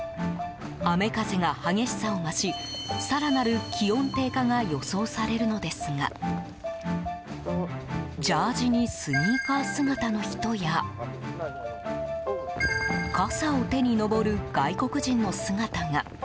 雨風が激しさを増し更なる気温低下が予想されるのですがジャージーにスニーカー姿の人や傘を手に登る外国人の姿が。